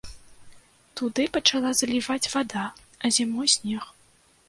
Туды пачала заліваць вада, а зімой снег.